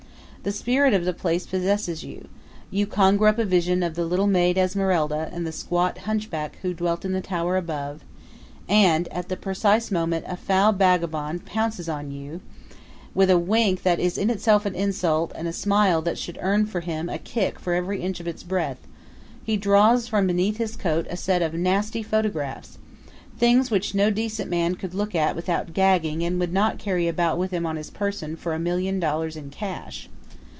The spirit of the place possesses you; you conjure up a vision of the little maid Esmeralda and the squat hunchback who dwelt in the tower above; and at the precise moment a foul vagabond pounces on you and, with a wink that is in itself an insult and a smile that should earn for him a kick for every inch of its breadth, he draws from beneath his coat a set of nasty photographs things which no decent man could look at without gagging and would not carry about with him on his person for a million dollars in cash.